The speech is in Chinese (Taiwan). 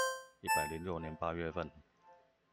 一百零六年八月份